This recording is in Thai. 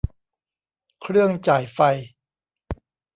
เครื่องจ่ายไฟ